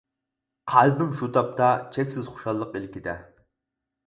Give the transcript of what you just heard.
قەلبىم شۇ تاپتا چەكسىز خۇشاللىق ئىلكىدە.